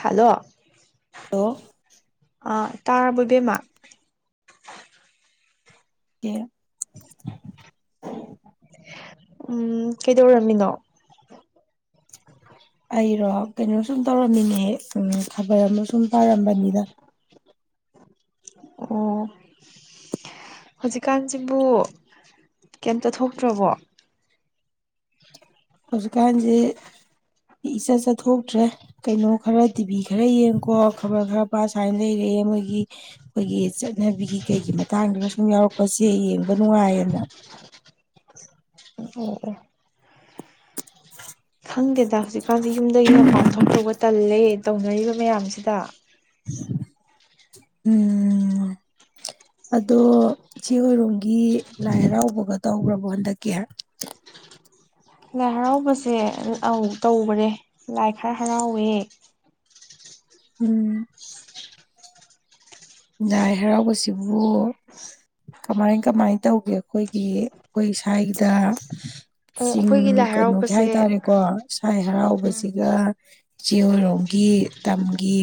ꯁꯥꯂꯣ hello ꯑꯥ ꯇꯥꯔꯕꯣ ꯏꯕꯦꯝꯃ ꯑꯦ ꯎꯝ ꯀꯩꯗꯧꯔꯝꯃꯤꯅꯣ ꯑꯩꯔꯣ ꯀꯩꯅꯣ ꯁꯨꯝ ꯇꯧꯔꯝꯃꯤꯅꯦ ꯎꯝ ꯈꯕꯔ ꯑꯃ ꯁꯨꯝ ꯄꯥꯔꯝꯕꯅꯤꯗ ꯑꯣ ꯍꯧꯖꯤꯛꯀꯥꯟꯖꯤꯕꯨ ꯀꯦꯝꯇ ꯊꯣꯛꯇ꯭ꯔꯕꯣ ꯍꯧꯖꯤꯛꯀꯥꯟꯖꯤ ꯏꯆꯠ ꯆꯠꯊꯣꯛꯇ꯭ꯔꯦ ꯀꯩꯅꯣ ꯈꯔ ꯇꯤꯚꯤ ꯈꯔ ꯌꯦꯡꯀꯣ ꯈꯕꯔ ꯈꯔ ꯄꯥ ꯁꯥꯏꯅ ꯂꯩꯔꯦ ꯃꯣꯏꯒꯤ ꯑꯩꯈꯣꯏꯒꯤ ꯆꯠꯅꯕꯤꯒꯤ ꯀꯩꯒꯤ ꯃꯇꯥꯡꯗꯒ ꯁꯨꯝ ꯌꯥꯎꯔꯛꯄꯁꯦ ꯌꯦꯡꯕ ꯅꯨꯡꯉꯥꯏꯌꯦꯅ ꯑꯣ ꯑꯣ ꯈꯪꯗꯦꯗ ꯍꯧꯖꯤꯛꯀꯥꯟꯁꯦ ꯌꯨꯝꯗꯒꯤ ꯃꯄꯥꯟ ꯊꯣꯛꯇꯧꯕ ꯇꯜꯂꯦ ꯇꯧꯅꯔꯤꯕ ꯃꯌꯥꯝꯁꯤꯗꯥ ꯎꯝ ꯑꯗꯣ ꯏꯆꯦ ꯍꯣꯏꯔꯣꯝꯒꯤ ꯂꯥꯏ ꯍꯔꯥꯎꯕꯒ ꯇꯧꯒ꯭ꯔꯕꯣ ꯍꯟꯗꯛꯀꯤ ꯂꯥꯏ ꯍꯔꯥꯎꯕꯁꯦ ꯎꯧ ꯇꯧꯒꯔꯦ ꯂꯥꯏ ꯈꯔ ꯍꯔꯥꯎꯋꯦ ꯎꯝ ꯂꯥꯏ ꯍꯔꯥꯎꯕꯁꯤꯕꯨ ꯀꯃꯥꯏ ꯀꯃꯥꯏ ꯇꯧꯒꯦ ꯑꯩꯈꯣꯏꯒꯤ ꯑꯩꯈꯣꯏ ꯏꯁꯥꯏꯗ ꯑꯣ ꯆꯤꯡ ꯑꯩꯈꯣꯏꯒꯤ ꯂꯥꯏ ꯀꯩꯅꯣꯒꯤ ꯍꯔꯥꯎꯕꯁꯦ ꯍꯥꯏꯇꯥꯔꯦꯀꯣ ꯁꯥꯏ ꯍꯔꯥꯎꯕꯁꯤꯒ ꯐꯆꯦ ꯍꯣꯏꯔꯣꯝꯒꯤ ꯇꯝꯒꯤ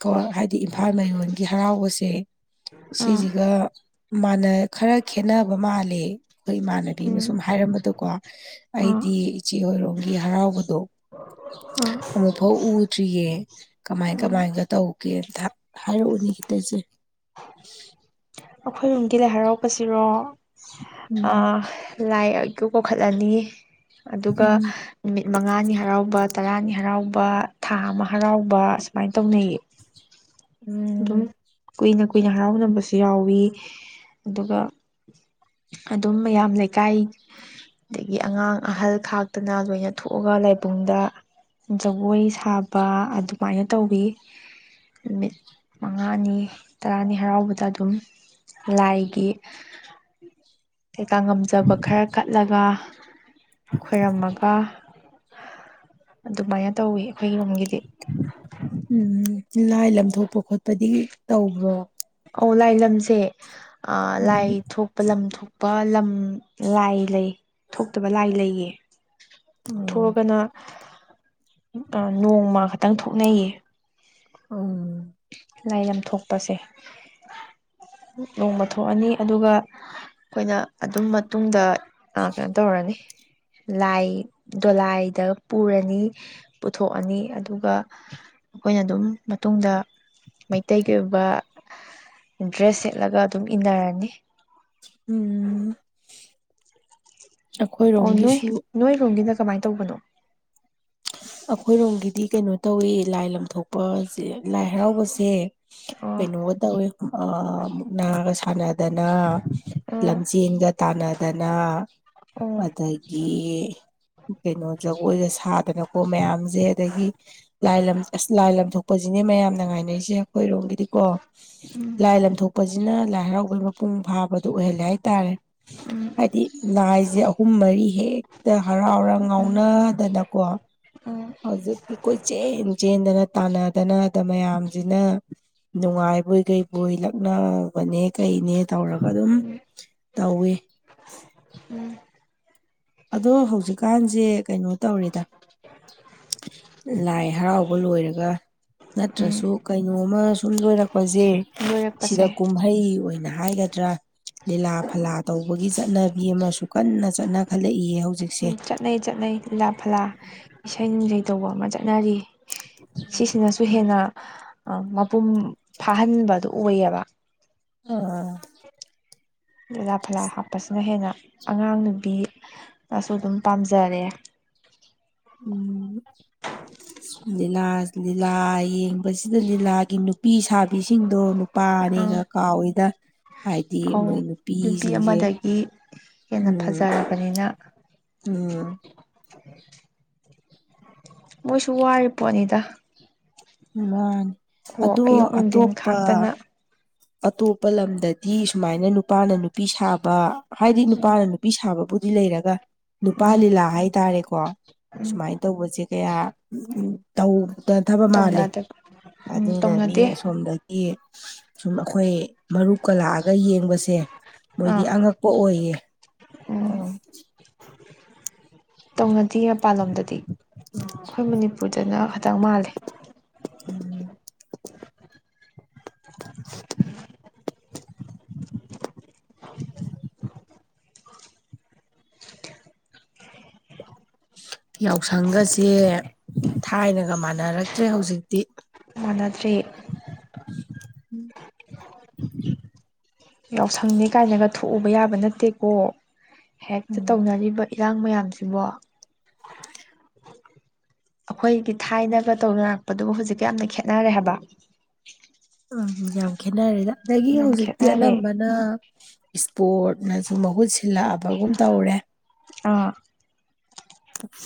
ꯊꯣꯜ ꯍꯥꯏꯗꯤ ꯏꯝꯐꯥꯜ ꯃꯌꯣꯟꯒꯤ ꯍꯔꯥꯎꯕꯁꯦ ꯎꯝ ꯁꯤꯖꯤꯒ ꯃꯥꯟꯅ ꯈꯔ ꯈꯦꯠꯅꯕ ꯃꯥꯜꯂꯦ ꯑꯩꯈꯣꯏ ꯏꯃꯥꯟꯅꯕꯤꯅ ꯎꯝ ꯁꯨꯝ ꯍꯥꯏꯔꯝꯕꯗꯀꯣ ꯑꯥ ꯑꯩꯗꯤ ꯏꯆꯦ ꯍꯣꯏꯔꯣꯝꯒꯤ ꯍꯔꯥꯎꯕꯗꯣ ꯑꯥ ꯑꯃꯨꯛꯐꯥꯎ ꯎꯗ꯭ꯔꯤꯌꯦ ꯀꯃꯥꯏ ꯎꯝ ꯀꯃꯥꯏꯒ ꯇꯧꯒꯦ ꯇ ꯍꯥꯏꯔꯛꯎꯅꯦ ꯈꯤꯇ ꯆꯦ ꯑꯩꯈꯣꯏꯔꯣꯝꯒꯤ ꯂꯥꯏ ꯍꯔꯥꯎꯄꯁꯤꯔꯣ ꯎꯝ ꯑꯥ ꯂꯥꯏ ꯏꯀꯧ ꯀꯧꯈꯠꯂꯅꯤ ꯑꯗꯨꯒ ꯎꯝ ꯅꯨꯃꯤꯠ ꯃꯉꯥꯅꯤ ꯍꯔꯥꯎꯕ ꯇꯔꯥꯅꯤ ꯍꯔꯥꯎꯕ ꯊꯥ ꯑꯃ ꯍꯔꯥꯎꯕ ꯁꯨꯃꯥꯏ ꯇꯧꯅꯩꯌꯦ ꯗꯨꯝ ꯎꯝ ꯀꯨꯏꯅ ꯀꯨꯏꯅ ꯍꯔꯥꯎꯅꯕꯁꯨ ꯌꯥꯎꯋꯤ ꯑꯗꯨꯒ ꯑꯗꯨꯝ ꯃꯌꯥꯝ ꯂꯩꯀꯥꯏ ꯗꯒꯤ ꯑꯉꯥꯡ ꯑꯍꯜ ꯈꯥꯛꯇꯅ ꯂꯣꯏꯅ ꯊꯣꯛꯑꯒ ꯂꯥꯏꯕꯨꯡꯗ ꯖꯒꯣꯏ ꯁꯥꯕ ꯑꯗꯨꯃꯥꯏꯅ ꯇꯧꯋꯤ ꯅꯨꯃꯤꯠ ꯃꯉꯥꯅꯤ ꯇꯔꯥꯅꯤ ꯍꯔꯥꯎꯕꯗ ꯑꯗꯨꯝ ꯂꯥꯏꯒꯤ ꯀꯩꯀꯥ ꯉꯝꯖꯕ ꯈꯔ ꯀꯠꯂꯒ ꯈꯣꯏꯔꯝꯃꯒ ꯑꯗꯨꯃꯥꯏꯅ ꯇꯧꯋꯦ ꯑꯩꯈꯣꯏ ꯔꯣꯝꯒꯤꯗꯤ ꯎꯝ ꯂꯥꯏ ꯂꯝ ꯊꯣꯛꯄ ꯈꯣꯠꯄꯗꯤ ꯇꯧꯕ꯭ꯔꯣ ꯑꯧ ꯂꯥꯏ ꯂꯝꯁꯦ ꯑ ꯎꯝ ꯂꯥꯏ ꯊꯣꯛ ꯂꯝ ꯊꯣꯛꯄ ꯂꯝ ꯂꯥꯏ ꯂꯩ ꯊꯣꯛꯇꯕ ꯂꯥꯏ ꯂꯩꯌꯦ ꯎꯝ ꯊꯣꯛꯑꯒꯅ ꯑ ꯅꯣꯡꯃ ꯈꯇꯪ ꯊꯣꯛꯅꯩꯌꯦ ꯑꯪ ꯂꯥꯏ ꯂꯝ ꯊꯣꯛꯄꯁꯦ ꯅꯣꯡꯃ ꯊꯣꯛꯑꯅꯤ ꯑꯗꯨꯒ ꯑꯩꯈꯣꯏꯅ ꯑꯗꯨꯝ ꯃꯇꯨꯡꯗ ꯑ ꯀꯩꯅꯣ ꯇꯧꯔꯅꯤ ꯂꯥꯏ ꯗꯣꯂꯥꯏꯗ ꯄꯨꯔꯅꯤ ꯄꯨꯊꯣꯛꯑꯅꯤ ꯑꯗꯨꯒ ꯑꯩꯈꯣꯏꯅ ꯑꯗꯨꯝ ꯃꯇꯨꯡꯗ ꯃꯩꯇꯩꯒꯤ ꯑꯣꯏꯕ ꯗ꯭ꯔꯦꯁ ꯁꯦꯠꯂꯒ ꯑꯗꯨꯝ ꯏꯟꯅꯔꯅꯤ ꯎꯝ ꯑꯣ ꯅꯣꯏ ꯑꯩꯈꯣꯏꯔꯣꯝꯒꯤꯁꯨ ꯅꯣꯏꯔꯣꯝꯒꯤꯅ ꯀꯃꯥꯏ ꯇꯧꯕꯅꯣ ꯑꯈꯣꯏꯔꯣꯝꯒꯤꯗꯤ ꯀꯩꯅꯣ ꯇꯧꯋꯦ ꯂꯥꯏ ꯂꯝ ꯊꯣꯛꯄ ꯂꯥꯏ ꯍꯔꯥꯎꯕꯁꯦ ꯑꯣ ꯀꯩꯅꯣꯒ ꯇꯧꯋꯦ ꯑ ꯃꯨꯛꯅꯥꯒ ꯁꯥꯟꯅꯗꯅ ꯑꯣ ꯂꯝꯖꯦꯟꯒ ꯇꯥꯟꯅꯗꯅ ꯑꯣ ꯑꯗꯩ ꯗꯤ ꯀꯩꯅꯣ ꯖꯒꯣꯏꯒ ꯁꯥꯗꯅꯀꯣ ꯃꯌꯥꯝꯖꯦ ꯑꯗꯒꯤ ꯂꯥꯏ ꯂꯝ ꯑꯁ ꯂꯥꯏ ꯂꯝꯊꯣꯛꯄꯖꯤꯅꯦ ꯃꯌꯥꯝꯅ ꯉꯥꯏꯅꯩꯖꯦ ꯑꯈꯣꯏꯔꯣꯝꯒꯤꯗꯤꯀꯣ [inaudible] ꯄꯖꯤꯅ ꯂꯥꯏ ꯍꯔꯥꯎꯕꯩ ꯃꯄꯨꯡ ꯐꯥꯕꯗꫭ ꯑꯣꯏꯍꯜꯂꯦ ꯍꯥꯏꯇꯥꯔꯦ ꯎꯝ ꯍꯥꯏꯗꯤ ꯂꯥꯏꯖꯦ ꯑꯍꯨꯝ ꯃꯔꯤ ꯍꯦꯛꯇ ꯍꯔꯥꯎꯔ ꯎꯝ ꯉꯥꯎꯅꯗꯅꯀꯣ ꯑꯣ ꯍꯧꯖꯤꯛ ꯀꯣꯏ ꯆꯦꯟ ꯆꯦꯟꯗꯅ ꯇꯥꯟꯅꯗꯅ ꯑꯗ ꯃꯌꯥꯝꯖꯤꯅ ꯅꯨꯡꯉꯥꯏꯕꯣꯏ ꯀꯩꯕꯣꯏ ꯂꯛꯅꯕꯅꯦ ꯀꯩꯅꯦ ꯇꯧꯔ ꯒ ꯑꯗꯨꯝ ꯎꯝ ꯇꯧꯋꯦ ꯎꯝ ꯑꯗꯣ ꯍꯧꯖꯤꯛꯀꯥꯟꯖꯦ ꯀꯩꯅꯣ ꯇꯧꯔꯦꯗ ꯂꯥꯏ ꯍꯔꯥꯎꯕ ꯂꯣꯏꯔꯒ ꯎꯝ ꯅꯠꯇ꯭ꯔꯁꯨ ꯀꯩꯅꯣꯝꯃ ꯁꯨꯝ ꯂꯣꯏꯔꯛ ꯄꯖꯦ ꯂꯣꯏꯔꯛꯄꯁꯦ ꯁꯤꯗ ꯀꯨꯝꯍꯩ ꯑꯣꯏꯅ ꯍꯥꯏꯒ ꯗ꯭ꯔ ꯂꯤꯂꯥ ꯐꯂꯥ ꯇꯧꯕꯒꯤ ꯆꯠꯅꯕꯤ ꯑꯃꯁꯨ ꯀꯟꯅ ꯆꯠꯅ ꯈꯜꯂꯛꯏꯌꯦ ꯍꯧꯖꯤꯛꯁꯦ ꯎꯝ ꯆꯠꯅꯩ ꯆꯠꯅꯩ ꯂꯤꯂꯥ ꯐꯂꯥ ꯏꯁꯩ ꯅꯨꯡꯖꯩ ꯇꯧꯕ ꯑꯃ ꯆꯠꯅꯔꯤ ꯁꯤꯁꯤꯅꯁꯨ ꯍꯦꯟꯅ ꯃꯄꯨꯝ ꯐꯥꯍꯟꯕꯗꯣ ꯑꯣꯏꯌꯦꯕ ꯑ ꯂꯤꯂꯥ ꯐꯂꯥ ꯍꯥꯞꯄꯁꯤꯅ ꯍꯦꯟꯅ ꯑꯉꯥꯡ ꯅꯨꯨꯕꯤꯅꯁꯨ ꯑꯗꯨꯝ ꯄꯥꯝꯖꯔꯦ ꯎꯝ [inaudible] ꯂꯤꯂꯥ ꯂꯤꯂꯥ ꯌꯦꯡꯕꯁꯤꯗ ꯂꯤꯂꯥꯒꯤ ꯅꯨꯄꯤ ꯁꯥꯕꯤꯁꯤꯡꯗꯣ ꯑꯥ ꯅꯨꯄꯥꯅꯦꯒ ꯀꯥꯎꯋꯤꯗ ꯍꯥꯏꯗꯤ ꯃꯣꯏ ꯑꯧ ꯅꯨꯄꯤ ꯅꯨꯄꯤꯖꯤꯡꯖꯦ ꯑꯃꯗꯒꯤ ꯍꯦꯟꯅ ꯎꯝ ꯐꯖꯔꯕꯅꯤꯅ ꯎꯝ ꯃꯣꯏꯁꯨ ꯋꯥꯔꯤ ꯄꯣꯠꯅꯤꯗ ꯃꯥꯅꯤ ꯑꯣ ꯑꯗꯨ ꯑꯌꯨꯛ ꯅꯨꯡꯊꯤꯟ ꯑꯇꯣꯞꯄ ꯈꯥꯛꯇꯅ ꯑꯇꯣꯞꯄ ꯂꯝꯗꯗꯤ ꯁꯨꯃꯥꯏꯅ ꯅꯨꯄꯥꯅ ꯅꯨꯄꯤ ꯁꯥꯕ ꯍꯥꯏꯗꯤ ꯅꯨꯄꯥꯅ ꯅꯨ ꯄꯤ ꯁꯥꯕꯕꯨꯗꯤ ꯂꯩꯔꯒ ꯅꯨꯄꯥ ꯎꯝ ꯂꯤꯂꯥ ꯍꯥꯏꯇꯥꯔꯦꯀꯣ ꯎꯝ ꯁꯨꯃꯥꯏ ꯇꯧꯕꯖꯦ ꯀꯌꯥ ꯇꯧ [unintelligible] ꯃꯥꯜꯂꯦ ꯇꯧꯅꯗꯕ ꯎꯝ ꯑꯗꯨꯏꯅ ꯃꯤ ꯇꯧꯅꯗꯦ ꯑꯁꯣꯝꯗ ꯒꯤ ꯁꯨꯝ ꯑꯩꯈꯣꯏ ꯃꯔꯨꯞꯀ ꯂꯥꯛꯑꯒ ꯌꯦꯡꯕꯁꯦ ꯃꯣꯏꯗꯤ ꯑꯥ ꯑꯉꯛꯄ ꯑꯣꯏꯌꯦ ꯎꯝ ꯑꫭ ꯇꯧꯅꯗꯤꯌꯦ ꯃꯄꯥꯟꯂꯣꯝꯗꯗꯤ ꯑꯈꯣꯏ ꯃꯅꯤꯄꯨꯔꯗꯅ ꯈꯇꯪ ꯃꯥꯜꯂꯦ [inaudible] [inaudible] ꯌꯥꯎꯁꯪꯒꯁꯦ ꯊꯥꯏꯅꯒ ꯃꯥꯟꯅꯔꯛꯇ꯭ꯔꯦ ꯍꯧꯖꯤꯛꯇꯤ ꯃꯥꯟꯅꯗ꯭ꯔꯦ ꯌꯥꯎꯁꯪꯅꯦ ꯀꯥꯏꯅꯒ ꯊꯣꯛꯎꯕ ꯌꯥꯕ ꯅꯠꯇꯦꯀꯣ ꯍꯦꯛꯇ ꯎꯝ ꯇꯧꯅꯔꯤꯕ ꯏꯔꯥꯡ ꯃꯌꯥꯝꯁꯤꯕꯣ ꯑꯩꯈꯣꯏꯒꯤ ꯊꯥꯏꯅꯒ ꯇꯧ ꯅꯔꯛꯄꯗꯨꯕꯨ ꯍꯧꯖꯤꯛꯀ ꯌꯥꯝꯅ ꯈꯦꯠꯅꯔꯦ ꯍꯥꯏꯕ ꯎꯝ ꯌꯥꯝ ꯈꯦꯠꯅꯔꯦꯗ ꯑꯗꯒꯤ ꯌꯥꯝ ꯍꯧꯖꯤꯛꯇꯤ ꯈꯦꯠꯅꯔꯦ ꯑꯅꯝꯕꯅ ꯏꯁꯄꯣꯔꯠꯅ ꯁꯨꯨ ꯃꯍꯨꯠ ꯁꯤꯜꯂꯛꯑꯕꯒꯨꯝ ꯇꯧꯔꯦ ꯑꯥ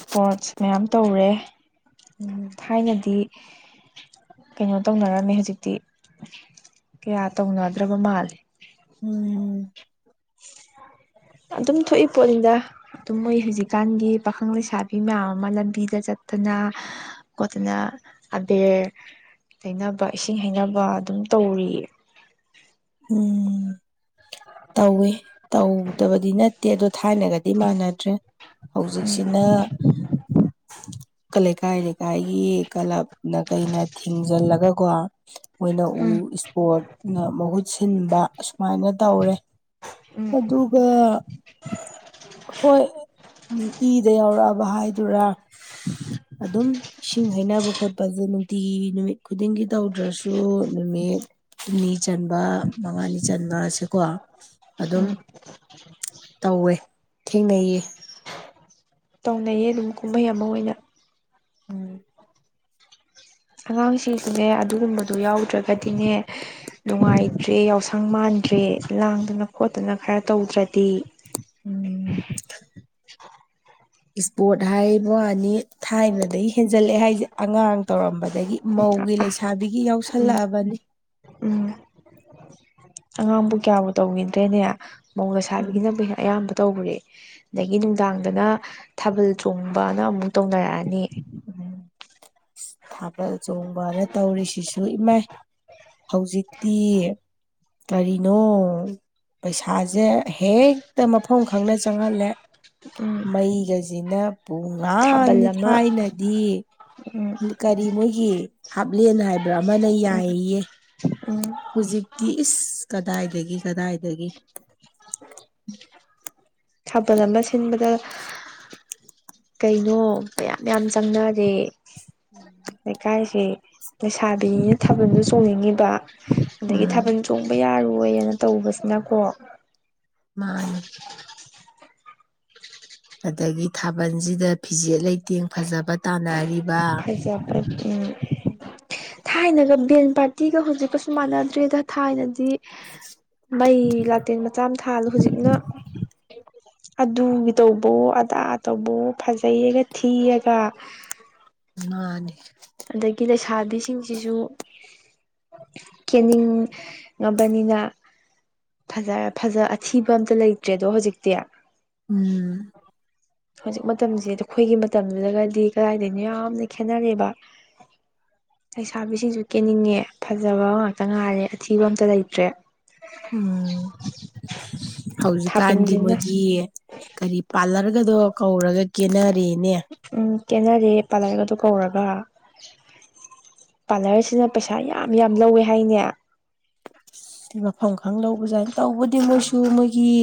ꯏꯁꯄꯣꯔꯠꯁ ꯃꯌꯥꯝ ꯇꯧꯔꯦ ꯎꯝ ꯊꯥꯏꯅꯗꯤ ꯀꯩꯅꯣ ꯇꯧꯅꯔꯝꯃꯦ ꯍꯧꯖꯤꯛꯇꯤ ꯀꯌꯥ ꯇꯧꯅꯗ꯭ꯔꯕ ꯃꯥꯜꯂꯦ ꯎꯝ ꯑꯗꯨꯝ ꯊꯣꯛꯏ ꯄꯣꯠꯅꯤꯗ ꯑꯗꯨꯝ ꯃꯣꯏ ꯍꯧꯖꯤꯛꯀꯥꯟꯒꯤ ꯄꯥꯈꯪ ꯂꯩꯁꯥꯕꯤ ꯃꯌꯥꯝ ꯑꯃ ꯂꯝꯕꯤꯗ ꯆꯠꯇꯅ ꯈꯣꯠꯇꯅ ꯑꯕꯦꯔ ꯇꯩꯅꯕ ꯏꯁꯤꯡ ꯍꯩꯅꯕ ꯑꯗꯨꯝ ꯇꯧꯔꯤ ꯎꯝ ꯇꯧꯋꯦ ꯇꯧꯗꯕꯗꯤ ꯅꯠꯇꯦ ꯑꯗꯣ ꯊꯥꯏꯅꯒꯗꯤ ꯃꯥꯟꯅꯗ꯭ꯔꯦ ꯎꯝ ꯍꯧꯖꯤꯛꯁꯤꯅ ꯂꯩꯀꯥꯏ ꯂꯩꯀꯥꯏꯒꯤ ꯀ꯭ꯂꯞꯅ ꯀꯩꯅ ꯊꯤꯡꯖꯤꯜꯂꯒꯀꯣ ꯃꯣꯏꯅ ꯎ ꯎꯝ ꯏꯁꯄꯣꯔꯠꯅ ꯃꯍꯨꯠ ꯁꯤꯟꯕ ꯑꯁꯨꯃꯥꯏꯅ ꯇꯧꯔꯦ ꯎꯝ ꯑꯗꯨꯒ ꯍꯣꯏ ꯏꯗ ꯌꯥꯎꯔꯛꯑꯕ ꯍꯥꯏꯗꯨꯔꯥ ꯑꯗꯨꯝ ꯏꯁꯤꯡ ꯍꯩꯅꯕ ꯈꯣꯠꯄꯁꯦ ꯅꯨꯡꯇꯤꯒꯤ ꯅꯨꯃꯤꯠ ꯈꯨꯗꯤꯡꯒꯤ ꯇꯧꯗ꯭ꯔꯁꯨ ꯅꯨꯃꯤꯠ ꯍꯨꯝꯅꯤ ꯆꯟꯕ ꯃꯉꯥꯅꯤ ꯆꯟꯕꯁꯦꯀꯣ ꯑꯗꯨꯝ ꯎꯝ ꯇꯧꯋꯦ ꯊꯦꯡꯅꯩꯌꯦ ꯇꯧꯅꯩꯌꯦ ꯑꯗꯨꯝ ꯀꯨꯝꯍꯩ ꯑꯃ ꯑꯣꯏꯅ ꯎꯝ ꯑꯉꯥꯡꯁꯤꯡꯁꯨꯅꯦ ꯑꯗꯨꯒꯨꯝꯕꯗꯣ ꯌꯥꯎꯗ꯭ꯔꯒꯗꯤꯅꯦ ꯅꯨꯡꯉꯥꯏꯇ꯭ꯔꯦ ꯌꯥꯎꯁꯪ ꯃꯥꯟꯗ꯭ꯔꯦ ꯂꯥꯡꯗꯅ ꯈꯣꯠꯇꯅ ꯈꯔ ꯇꯧꯗ꯭ꯔꯗꯤ ꯎꯝ [unintelligible] ꯏꯁꯄꯣꯔꯠ ꯍꯥꯏꯕꯋꯅꯤ ꯊꯥꯏꯅꯗꯒꯤ ꯍꯦꯟꯖꯜꯂꯛꯑꯦ ꯍꯥꯏꯁꯦ ꯑꯉꯥꯡ ꯇꯧꯔꯝꯕꯗꯒꯤ ꯃꯧꯒꯤ ꯂꯩꯁꯥꯕꯤꯒꯤ ꯎꯝ ꯌꯥꯎꯁꯜꯂꯛꯑꯕꯅꯤ ꯎꯝ ꯑꯉꯥꯡꯕꯨ ꯀꯌꯥꯕꯨ ꯇꯧꯈꯤꯗ꯭ꯔꯦꯅꯦ ꯃꯧꯗ ꯎꯝ ꯁꯥꯕꯤꯒꯤꯅꯕꯨ ꯑꯌꯥꯝꯕ ꯇꯧꯔꯦ ꯑꯗꯒꯤ ꯅꯨꯡꯗꯥꯡꯗꯅ ꯊꯥꯕꯜ ꯆꯣꯡꯕꯅ ꯑꯃꯨꯛ ꯇꯧꯅꯔꯛꯑꯅꯤ ꯊꯥꯕꯜ ꯆꯣꯡꯕꯅ ꯇꯧꯔꯤꯁꯤꯁꯨ ꯏꯃꯥꯏ ꯍꯧꯖꯤꯛꯇꯤ ꯀꯔꯤꯅꯣ ꯄꯩꯁꯥꯁꯦ ꯍꯦꯛꯇ ꯃꯐꯝ ꯈꯪꯅ ꯆꯪꯍꯜꯂꯦ ꯎꯝ ꯃꯩꯒꯁꯤꯅ ꯄꯨꯡ ꯊꯥꯕꯜ ꯉꯥꯟꯅꯤ ꯑꯃ ꯊꯥꯏꯅꯗꯤ ꯎꯝ ꯀꯔꯤ ꯃꯣꯏꯒꯤ ꯍꯥꯞꯂꯦꯟ ꯍꯥꯏꯕ꯭ꯔꯥ ꯑꯃꯅ ꯎꯝ ꯌꯥꯏꯌꯦ ꯎꯝ ꯍꯧꯖꯤꯛꯇꯤ ꯏꯁ ꯀꯗꯥꯏꯗꯒꯤ ꯀꯗꯥꯏꯗꯒꯤ ꯊꯥꯕꯜ ꯑꯃ ꯁꯤꯟꯕꯗ ꯀꯩꯅꯣ ꯃꯌꯥꯝ ꯃꯌꯥꯝ ꯆꯪꯅꯔꯦ ꯂꯩꯀꯥꯏꯁꯦ ꯂꯩꯁꯥꯕꯤꯅꯤꯅ ꯊꯥꯕꯜꯁꯨ ꯆꯣꯡꯅꯤꯡꯉꯤꯕ ꯑꯗꯒꯤ ꯎꯝ ꯊꯥꯕꯜ ꯆꯣꯡꯕ ꯌꯥꯔꯣꯏꯅ ꯇꯧꯕꯁꯤꯅꯀꯣ ꯃꯥ ꯅꯤ ꯑꯗꯒꯤ ꯊꯥꯕꯜꯖꯤꯗ ꯐꯤꯖꯦꯠ ꯂꯩꯇꯦꯡ ꯐꯖꯕ ꯇꯥꯟꯅꯔꯤ ꯐꯖꯕ ꯎꯝ ꯊꯥꯏꯅꯒ ꯕꯦꯟ ꯄꯥꯔꯇꯤꯒ ꯍꯧꯖꯤꯛꯀꯁꯨ ꯃꯥꯟꯅꯗ꯭ꯔꯦꯗ ꯊꯥꯏꯅꯗꯤ ꯃꯩ ꯂꯥꯇꯦꯟ ꯃꯆꯥ ꯑꯃ ꯊꯥꯜꯂ ꯍꯨꯖꯤꯛꯅ ꯑꯗꯨ ꯇꯧꯕꯑꯣ ꯑꯗꯥ ꯇꯧꯕꯑꯣ ꯐꯖꯩꯌꯦꯒ ꯊꯤꯌꯦꯒ ꯃꯥꯅꯤ ꯑꯗꯒꯤ ꯂꯩꯁꯥꯕꯤꯁꯤꯡꯁꯤꯖꯨ ꯀꯦꯅꯤꯡ ꯉꯕꯅꯤꯅ ꯐꯖ ꯐꯖ ꯑꯊꯤꯕ ꯑꯝꯇ ꯂꯩꯇ꯭ꯔꯦꯗꯣ ꯍꯨꯖꯤꯛꯇꯤ ꯎꯝ ꯍꯧꯖꯤꯛ ꯃꯇꯝꯖꯦ ꯑꯈꯣꯏꯒꯤ ꯃꯇꯝꯗꯨꯗꯒꯗꯤ ꯀꯗꯥꯏꯗꯒꯤꯅꯣ ꯌꯥꯝꯅ ꯈꯦꯠꯅꯔꯦꯕ [inaudible] ꯂꯩꯁꯥꯕꯤꯁꯤꯡꯁꯨ ꯀꯦꯅꯤꯡꯉꯦ ꯐꯖꯕ ꯉꯥꯛꯇ ꯉꯥꯏꯔꯦ ꯑꯊꯤꯕ ꯑꯝꯇ ꯂꯩꯇ꯭ꯔꯦ ꯎꯝ ꯍꯧꯖꯤꯛꯀꯥꯟꯗꯤ ꯊꯥꯕꯜꯁꯤꯅ ꯃꯣꯏꯒꯤ ꯀꯔꯤ ꯄꯥꯔꯂ꯭ꯔꯒꯗꯣ ꯀꯧꯔꯒ ꯀꯦꯅꯔꯦꯅꯦ ꯎꯝ ꯀꯦꯅꯔꯦ ꯄꯥꯂ꯭ꯔꯒꯗꯣ ꯀꯧꯔꯒ ꯄꯥꯂ꯭ꯔꯁꯤꯅ ꯄꯩꯁꯥ ꯌꯥꯝ ꯌꯥꯝ ꯂꯧꯋꯦ ꯍꯥꯏꯅꯦ ꯃꯐꯝ ꯈꯪ ꯂꯧꯕꯖꯥꯠꯅꯤ ꯇꯧꯕꯗꯤ ꯃꯣꯏꯁꯨ ꯃꯣꯏꯒꯤ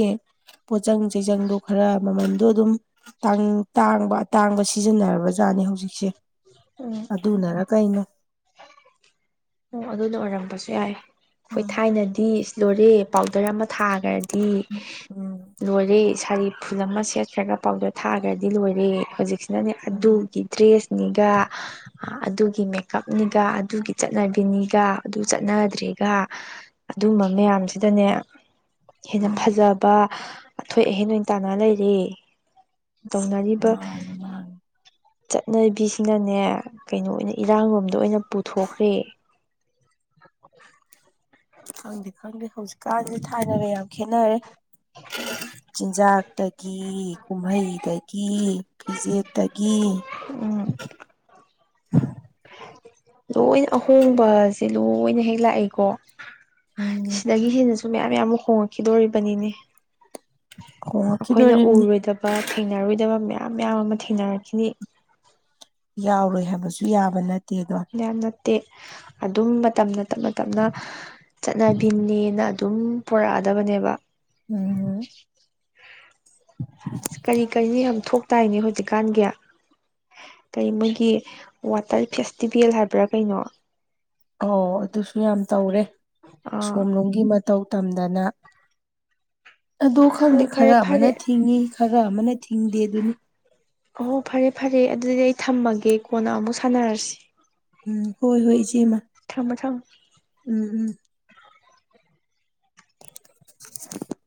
ꯄꯣꯠꯆꯪ ꯆꯩꯖꯪꯗꯣ ꯈꯔ ꯃꯃꯟꯗꯣ ꯑꯗꯨꯝ ꯇꯥꯡ ꯇꯥꯡꯕ ꯑꯇꯥꯡꯕ ꯁꯤꯖꯤꯟꯅꯔꯕ ꯖꯥꯠꯅꯤ ꯍꯧꯖꯤꯛꯁꯦ ꯎꯝ ꯑꯗꯨꯅꯔ ꯀꯩꯅꯣ ꯑꯣ ꯑꯗꯨꯅ ꯑꯣꯏꯔꯝꯕꯁꯨ ꯌꯥꯏ ꯑꯈꯣꯏ ꯎꯝ ꯊꯥꯏꯅꯗꯤ ꯏꯁ ꯂꯣꯏꯔꯦ ꯄꯥꯎꯗꯔ ꯑꯃ ꯊꯥꯒ꯭ꯔꯗꯤ ꯎꯝ ꯂꯣꯏꯔꯦ ꯁꯥꯔꯤ ꯐꯨꯜ ꯑꯃ ꯁꯦꯠꯈ꯭ꯔꯒ ꯄꯥꯎꯗꯔ ꯊꯥꯒ꯭ꯔꯗꯤ ꯂꯣꯏꯔꯦ ꯍꯨꯖꯤꯛ ꯖꯤꯅꯅꯦ ꯑꯗꯨꯒꯤ ꯗ꯭ꯔꯦꯁꯅꯤꯒ ꯑꯥ ꯑꯗꯨꯒꯤ ꯃꯦꯀꯞꯅꯤꯒ ꯑꯗꯨꯒꯤ ꯆꯠꯅꯕꯤꯅꯤꯒ ꯑꯗꯨ ꯆꯠꯅꯗ꯭ꯔꯦꯒ ꯑꯗꯨꯝꯕ ꯃꯌꯥꯝꯖꯤꯗꯅꯦ ꯍꯦꯟꯅ ꯐꯖꯕ ꯑꯊꯣꯏ ꯑꯍꯦꯟ ꯑꯣꯏ ꯇꯥꯅꯔ ꯂꯩꯔꯦ ꯇꯧꯅꯔꯤꯕ ꯃꯥꯅꯤ ꯃꯥꯅꯤ ꯆꯠꯅꯕꯤꯁꯤꯅꯅꯦ ꯀꯩꯅꯣ ꯑꯣꯏꯅ ꯏꯔꯥꯡ ꯂꯣꯝꯗ ꯑꯣꯏꯅ ꯄꯨꯊꯣꯛꯈ꯭ꯔꯦ ꯈꯪꯗꯦ ꯈꯪꯗꯦ ꯍꯧꯖꯤꯛꯀꯥꯟꯖꯦ ꯊꯥꯏꯅꯒ ꯌꯥꯝ ꯈꯦꯠꯅꯔꯦ ꯆꯤꯟꯖꯥꯛꯇꯒꯤ ꯀꯨꯝꯍꯩꯗꯒꯤ ꯐꯤꯖꯦꯠꯇꯒꯤ ꯎꯝ ꯂꯣꯏꯅ ꯑꯍꯣꯡꯕꯖꯦ ꯂꯣꯏꯅ ꯍꯦꯛ ꯂꯥꯛꯏꯀꯣ ꯎꯝ ꯁꯤꯗꯒꯤ ꯍꯦꯟꯅꯁꯨ ꯃꯌꯥꯝ ꯃꯌꯥꯝ ꯍꯣꯡꯉꯛꯈꯤꯗꯣꯔꯤꯕꯅꯤꯅꯦ ꯍꯣꯡꯉꯛꯈꯤꯗꯨꯔꯤꯝꯅꯤ ꯕꯥ ꯊꯦꯡꯅꯔꯣꯏꯗꯕ ꯃꯌꯥꯝ ꯃꯌꯥꯝ ꯑꯃ ꯊꯦꯡꯅꯔꯛꯈꯤꯅꯤ ꯌꯥꯎꯔꯣꯏ ꯍꯥꯏꯕꯁꯨ ꯌꯥꯕ ꯅꯠꯇꯦ ꯗꯣ ꯇꯦ ꯑꯗꯨꯝ ꯃꯇꯝꯅ ꯇꯞꯅ ꯇꯞꯅ ꯆꯠꯅꯕꯤꯅꯦꯅ ꯑꯗꯨꯝ ꯄꯣꯔꯛꯑꯗꯕꯅꯦꯕ ꯎꯝ [inaudible] ꯀꯔꯤ ꯀꯔꯤꯅꯣ ꯌꯥꯝ ꯊꯣꯛꯇꯥꯏꯅꯦ ꯍꯨꯖꯤꯛꯀꯥꯟꯒꯤ ꯀꯩ ꯃꯣꯏꯒꯤ ꯋꯥꯇꯔ ꯐꯦꯁꯇꯤꯚꯦꯜ ꯍꯥꯏꯕ꯭ꯔꯥ ꯀꯩꯅꯣ ꯑꯣ ꯑꯗꯨꯁꯨ ꯌꯥꯝ ꯇꯧꯔꯦ ꯑꯥ ꯑꯁꯣꯝꯂꯣꯝꯒꯤ ꯃꯇꯧ ꯇꯝꯗꯅ ꯑꯗꯣ ꯑꯣ ꯈꯪꯗꯦ ꯐꯔꯦ ꯈꯔ ꯐꯔꯦ ꯑꯃꯅ ꯊꯤꯡꯏ ꯈꯔ ꯑꯃꯅ ꯊꯤꯡꯗꯦ ꯑꯗꯨꯅꯤ ꯍꯣ ꯐꯔꯦ ꯐꯔꯦ ꯑꯗꯨꯗꯤ ꯑꯩ ꯊꯝꯃꯒꯦ ꯀꯣꯟꯅ ꯑꯃꯨꯛ ꯁꯥꯟꯅꯔꯁꯤ ꯎꯝ ꯍꯣꯏ ꯍꯣꯏ ꯏꯆꯦꯃ ꯊꯝꯃꯣ ꯊꯝꯃꯣ ꯎꯝ ꯎꯝ [inaudible]